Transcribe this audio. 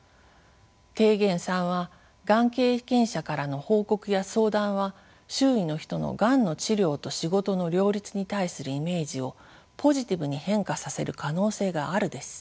提言３はがん経験者からの報告や相談は周囲の人のがんの治療と仕事の両立に対するイメージをポジティブに変化させる可能性があるです。